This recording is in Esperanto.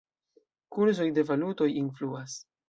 Kurzoj de valutoj influas.